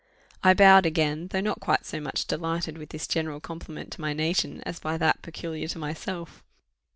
I bowed again, though not quite so much delighted with this general compliment to my nation as by that peculiar to myself.